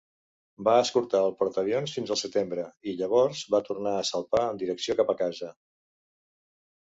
Va escortar el portaavions fins al setembre i, llavors, va tornar a salpar en direcció cap a casa.